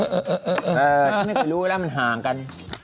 ฉันไม่เคยรู้แล้วมันห่างกัน